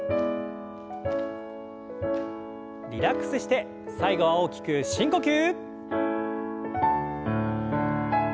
リラックスして最後は大きく深呼吸。